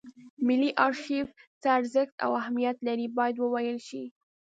ملي ارشیف څه ارزښت او اهمیت لري باید وویل شي.